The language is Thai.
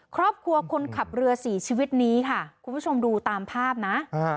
ครอบครัวคนขับเรือสี่ชีวิตนี้ค่ะคุณผู้ชมดูตามภาพนะ